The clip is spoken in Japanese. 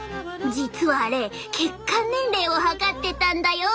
実はあれ血管年齢を測ってたんだよ。